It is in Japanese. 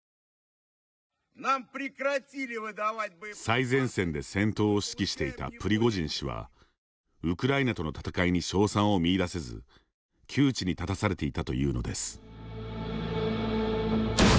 最前線で戦闘を指揮していたプリゴジン氏はウクライナとの戦いに勝算を見いだせず窮地に立たされていたというのです。